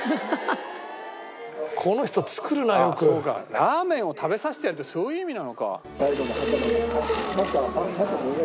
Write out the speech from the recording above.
ラーメンを食べさせてやるってそういう意味なのか。